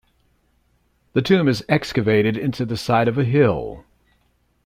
The tomb is excavated into the side of a hill.